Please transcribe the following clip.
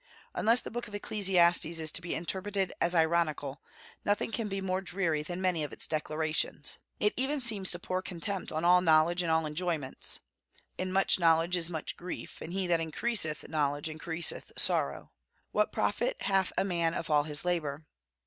Unless the book of Ecclesiastes is to be interpreted as ironical, nothing can be more dreary than many of its declarations. It even seems to pour contempt on all knowledge and all enjoyments. "In much knowledge is much grief, and he that increaseth knowledge increaseth sorrow.... What profit hath a man of all his labor?...